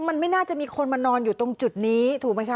มันไม่น่าจะมีคนมานอนอยู่ตรงจุดนี้ถูกไหมคะ